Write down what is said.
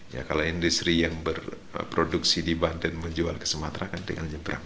ya kalau industri yang berproduksi di banten menjual ke sumatera kan tinggal nyebrang